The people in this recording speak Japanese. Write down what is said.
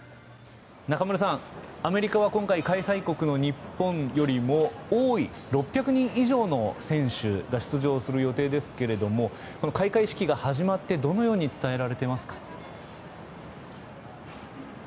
中丸さん、アメリカは今回開催国の日本よりも多い、６００人以上の選手が出場する予定ですが開会式が始まってどのように伝えられていますか？